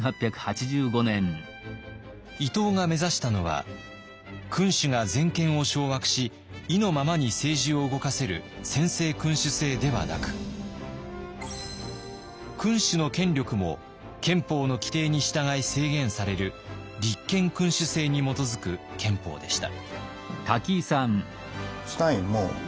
伊藤が目指したのは君主が全権を掌握し意のままに政治を動かせる専制君主制ではなく君主の権力も憲法の規定に従い制限される立憲君主制に基づく憲法でした。